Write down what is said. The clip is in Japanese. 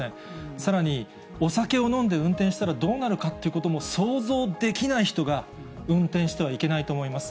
さらに、お酒を飲んで運転したらどうなるかということも想像できない人が運転してはいけないと思います。